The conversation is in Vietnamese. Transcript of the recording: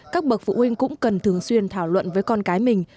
các bậc phụ huynh cũng cần thường xuyên thảo luận với con cái mình